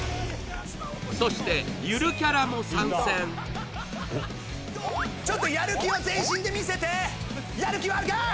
そしてゆるキャラも参戦ちょっとやる気を全身で見せてやる気はあるか！